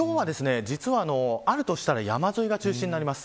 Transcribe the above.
あるとしたら山沿いが中心になります。